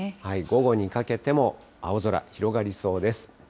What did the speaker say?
午後にかけても青空、広がりそうです。